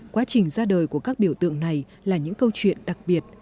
quá trình ra đời của các biểu tượng này là những câu chuyện đặc biệt